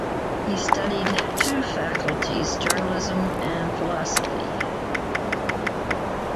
He studied two faculties journalism and philosophy.